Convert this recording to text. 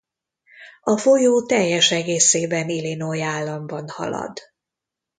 A folyó teljes egészében Illinois államban halad.